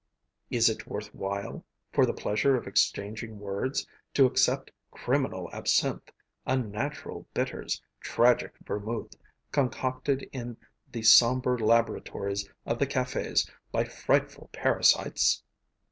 Is it worth while, for the pleasure of exchanging words, to accept criminal absinthe, unnatural bitters, tragic vermouth, concocted in the sombre laboratories of the cafés by frightful parasites?